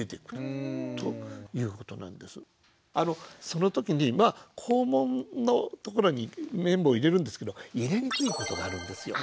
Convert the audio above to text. その時にまあ肛門のところに綿棒を入れるんですけど入れにくいことがあるんですよ。